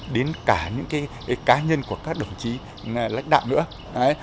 đến cả những cái cá nhân quản lý